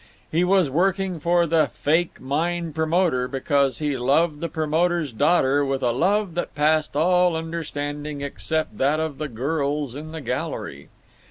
He was working for the "fake mine promoter" because he loved the promoter's daughter with a love that passed all understanding except that of the girls in the gallery.